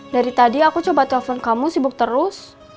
dari tadi aku coba telepon kamu sibuk terus